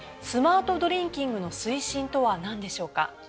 スマートドリンキングの推進とは何でしょうか？